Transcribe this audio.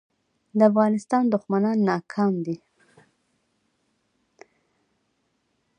د افغانستان دښمنان ناکام دي